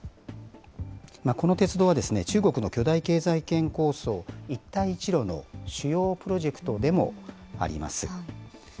この鉄道は、中国の巨大経済圏構想、一帯一路の主要プロジェクトでもあります。